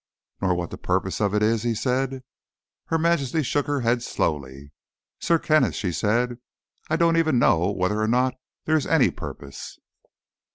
"Nor what the purpose of it is?" he said. Her Majesty shook her head slowly. "Sir Kenneth," she said, "I don't even know whether or not there is any purpose."